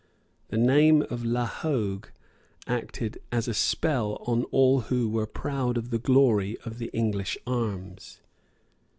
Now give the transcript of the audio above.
The name of La Hogue acted as a spell on all who were proud of the glory of the English arms.